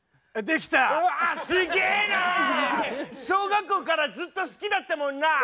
小学校からずっと好きだったもんな！